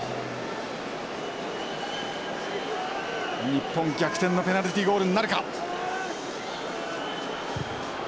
日本逆転のペナルティーゴールになるか。